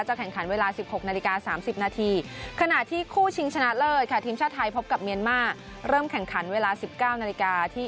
แข่งขันเวลา๑๖นาฬิกา๓๐นาทีขณะที่คู่ชิงชนะเลิศค่ะทีมชาติไทยพบกับเมียนมาร์เริ่มแข่งขันเวลา๑๙นาฬิกาที่